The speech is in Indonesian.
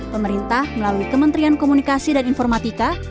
pemerintah melalui kementerian komunikasi dan informatika